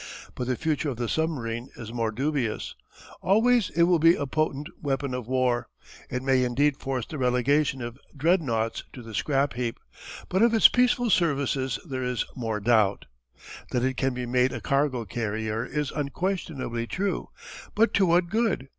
But the future of the submarine is more dubious. Always it will be a potent weapon of war. It may indeed force the relegation of dreadnoughts to the scrap heap. But of its peaceful services there is more doubt. That it can be made a cargo carrier is unquestionably true. But to what good?